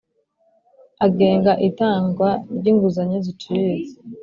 agenga itangwa ry'inguzanyo ziciriritse